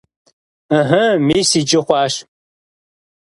Ыхьы, мис иджы хъуащ!